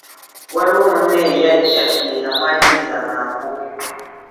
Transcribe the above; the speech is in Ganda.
Waaliwo munne eyajja ye yamwaniriza mangu.